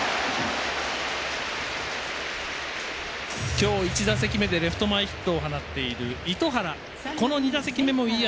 今日１打席目でレフト前ヒットを放っている糸原。